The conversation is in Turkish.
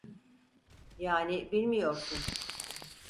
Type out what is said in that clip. Yani bilmiyorsun.